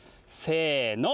せの。